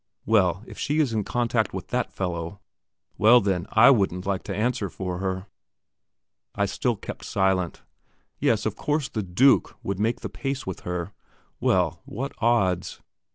"Well, if she is in contact with that fellow; well, then, I wouldn't like to answer for her." I still kept silent. Yes, of course "the Duke" would make the pace with her. Well, what odds?